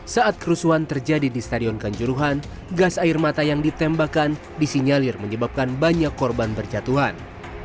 saat kerusuhan terjadi di stadion kanjuruhan gas air mata yang ditembakkan disinyalir menyebabkan banyak korban berjatuhan